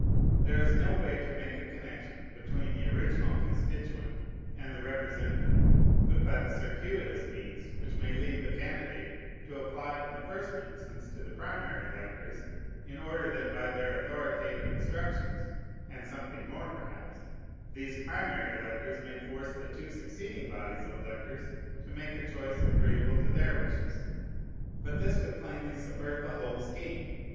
There is no way to make a connection between the original constituent and the representative, but by the circuitous means which may lead the candidate to apply in the first instance to the primary electors, in order that by their authoritative instructions (and something more perhaps) these primary electors may force the two succeeding bodies of electors to make a choice agreeable to their wishes. But this would plainly subvert the whole scheme.